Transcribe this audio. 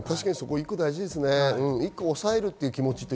１個大事ですね、抑えるという気持ち。